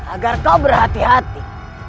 agar kau berhati hati